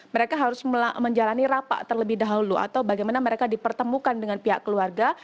mereka harus menjalani rapat terlebih dahulu atau bagaimana mereka dipertemukan dengan pihak keluarga